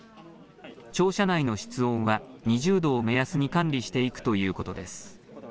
庁舎内の室温は２０度を目安に管理していくということです。